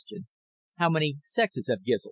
HOW MANY SEXES HAVE GIZLS A.